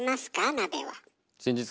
鍋は。